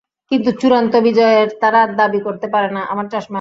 কিন্তু চূড়ান্ত বিজয়ের তারা দাবি করতে পারে না।